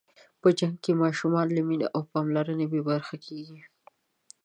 په جنګ کې ماشومان له مینې او پاملرنې بې برخې کېږي.